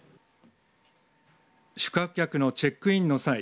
宿泊客のチェックインの際